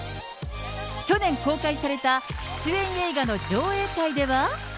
去年公開された出演映画の上映会では。